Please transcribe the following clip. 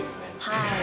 はい。